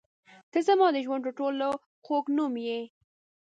• ته زما د ژوند تر ټولو خوږ نوم یې.